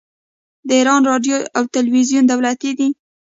د ایران راډیو او تلویزیون دولتي دي.